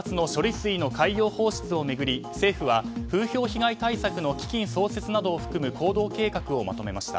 水の海洋放出を巡り政府は、風評被害対策の基金創設などを含む行動計画を求めました。